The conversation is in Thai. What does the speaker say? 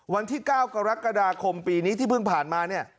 วันที่๙กรกฎาคมปีนี้ที่เพิ่งผ่านมาเนี่ย